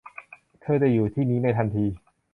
เธอจะอยู่ที่นี้ในทันที